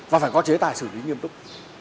và phải có chế tài xử lý nghiêm túc